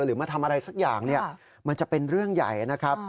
มาทำอะไรสักอย่างเนี่ยมันจะเป็นเรื่องใหญ่นะครับ